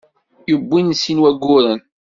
Yewwin sin wagguren.